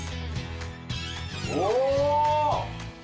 お！